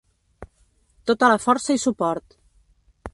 Tota la força i suport.